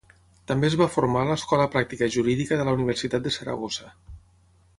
També es va formar a l'Escola Pràctica Jurídica de la Universitat de Saragossa.